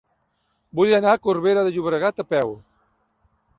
Vull anar a Corbera de Llobregat a peu.